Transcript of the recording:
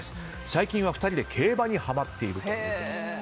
最近は２人で競馬にハマっているということです。